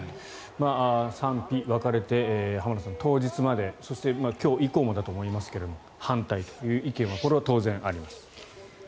賛否分かれて浜田さん、当日までそして、今日以降もだと思いますけれども反対という意見はこれは当然あります。